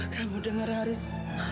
kamu dengar haris